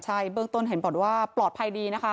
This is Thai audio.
ใช่เบื้องต้นเห็นบอกว่าปลอดภัยดีนะคะ